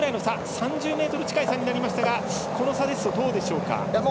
３０ｍ近い差になりましたがどうでしょうか？